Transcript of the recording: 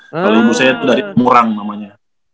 kalau ibu saya itu dari murang namanya